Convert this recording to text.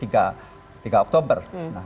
jadi tiga oktober